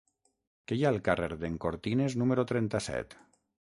Què hi ha al carrer d'en Cortines número trenta-set?